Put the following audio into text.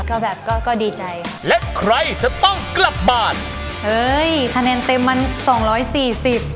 ก็แบบก็ก็ดีใจและใครจะต้องกลับบ้านเอ้ยคะแนนเต็มมันสองร้อยสี่สิบ